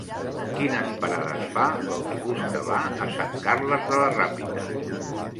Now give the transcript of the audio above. Quines parades fa l'autobús que va a Sant Carles de la Ràpita?